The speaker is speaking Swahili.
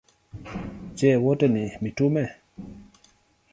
Je, wote ni mitume?